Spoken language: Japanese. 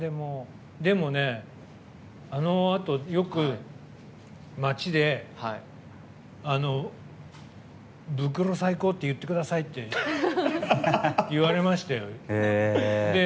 でもね、あのあとよく街で「ブクロ最高！」って言ってくださいって言われましたよ。